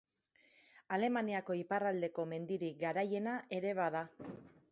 Alemaniako iparraldeko mendirik garaiena ere bada.